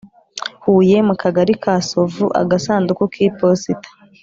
Huye mu kagari ka Sovu Agasanduku k’iposita